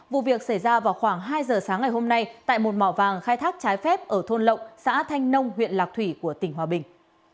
vụ việc xảy ra vào khoảng hai giờ sáng ngày hôm nay tại một mỏ vàng khai thác trái phép ở thôn lộng xã thanh nông huyện lạc thủy của tỉnh hòa bình